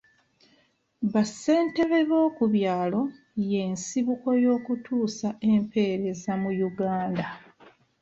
Ba ssentebe b'okubyalo y'ensibuko y'okutuusa empeereza mu Uganda .